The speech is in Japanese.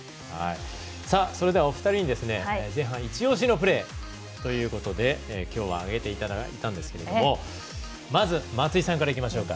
それでは、お二人に前半、イチオシのプレーということで今日は挙げていただいたんですけどもまず松井さんからいきましょうか。